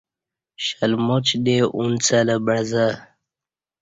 شلماچ دے انُڅہ لہ بعزہ